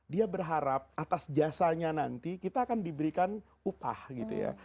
dia berharap atas jasanya nanti kita akan diberikan upah gitu ya